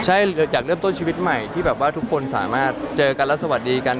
ใช่จากเริ่มต้นชีวิตใหม่ที่แบบว่าทุกคนสามารถเจอกันและสวัสดีกัน